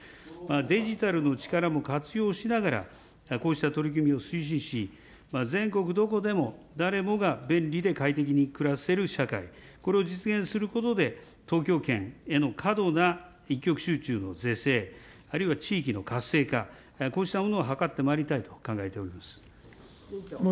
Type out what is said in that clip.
デジタルの力も活用しながら、こうした取り組みを推進し、全国どこでも誰もが便利で快適に暮らせる社会、これを実現することで、東京圏への過度な一極集中の是正、あるいは地域の活性化、こうしたものを図ってまいりたいと考えております。